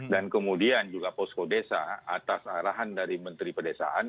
dan kemudian juga posko desa atas arahan dari menteri pedesaan